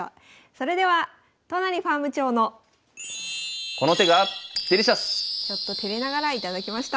それでは都成ファーム長のちょっとてれながら頂きました。